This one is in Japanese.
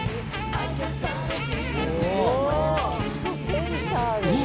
センターでね。